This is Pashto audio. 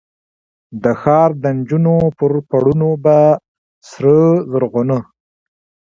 د ښار دنجونو پر پوړونو به، سره زرغونه،